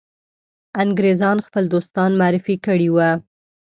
انګرېزان خپل دوستان معرفي کړي وه.